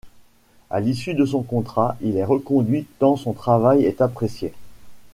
À l'issue de son contrat il est reconduit tant son travail est apprécié.